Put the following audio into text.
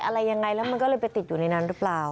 อะไรยังไงแล้วมันก็เลยไปติดอยู่ในนั้นหรือเปล่า